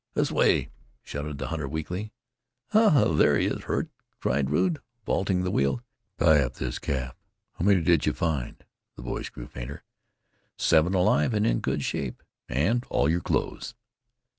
"This way!" shouted the hunter weakly. "Ha! here he is. Hurt?" cried Rude, vaulting the wheel. "Tie up this calf. How many did you find?" The voice grew fainter. "Seven alive, and in good shape, and all your clothes."